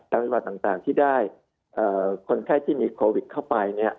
จังหวัดต่างที่ได้คนไข้ที่มีโควิดเข้าไป